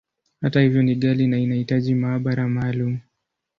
Hata hivyo, ni ghali, na inahitaji maabara maalumu.